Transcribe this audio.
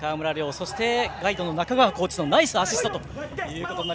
そしてガイドの中川コーチのナイスアシスト。